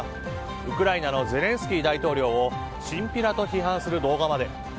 ウクライナのゼレンスキー大統領をチンピラと批判する動画まで。